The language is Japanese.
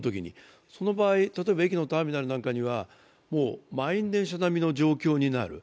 その場合、例えば駅のターミナルなどには駅の満員電車並みの状況になる。